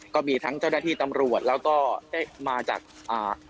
ก็มีทั้งเจ้าหน้าที่ตำรวจแล้วก็ได้มาจากอ่า